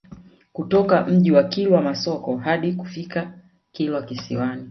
Kutoka Mji wa Kilwa Masoko hadi kufika Kilwa Kisiwani